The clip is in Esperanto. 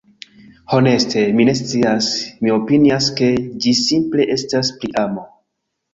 Honeste mi ne scias. Mi opinias, ke ĝi simple estas pri amo.